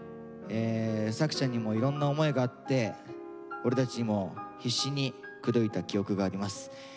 作ちゃんにもいろんな思いがあって俺たちも必死に口説いた記憶があります。